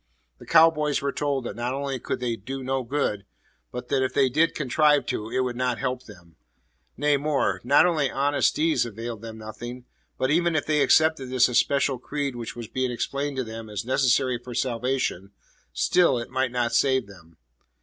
The cow boys were told that not only they could do no good, but that if they did contrive to, it would not help them. Nay, more: not only honest deeds availed them nothing, but even if they accepted this especial creed which was being explained to them as necessary for salvation, still it might not save them.